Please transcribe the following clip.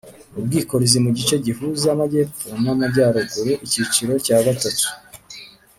ubwikorezi mu gice gihuza amajyepfo n amajyaruguru icyiciro cya gatatu